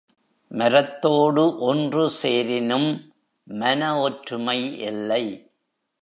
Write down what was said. மரத்தோடு ஒன்றுசேரினும் மன ஒற்றுமை இல்லை.